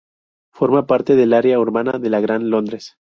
Forma parte del área urbana del Gran Londres.